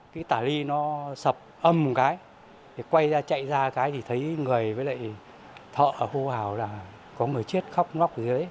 cả ly nó sập âm một cái quay ra chạy ra cái thì thấy người với lại thợ hô hào là có người chết khóc ngóc gì đấy